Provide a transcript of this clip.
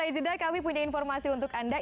nah usai zidah kami punya informasi untuk anda